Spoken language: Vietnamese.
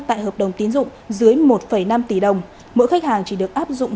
tại hợp đồng tiến dụng dưới một năm tỷ đồng mỗi khách hàng chỉ được áp dụng